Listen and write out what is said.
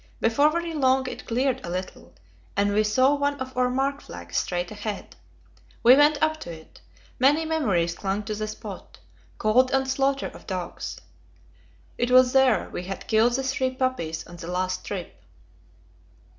Before very long it cleared a little, and we saw one of our mark flags straight ahead. We went up to it; many memories clung to the spot cold and slaughter of dogs. It was there we had killed the three puppies on the last trip.